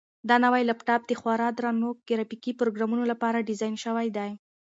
دا نوی لپټاپ د خورا درنو ګرافیکي پروګرامونو لپاره ډیزاین شوی دی.